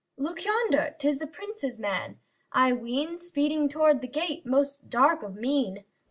LEADER Look yonder! 'Tis the Prince's man, I ween Speeding toward this gate, most dark of mien.